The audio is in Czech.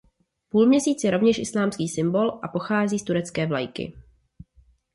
Půlměsíc je rovněž islámský symbol a pochází z turecké vlajky.